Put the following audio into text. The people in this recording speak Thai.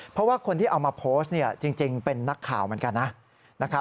เพราะว่าคนที่เอามาโพสต์จริงเป็นนักข่าวเหมือนกันนะ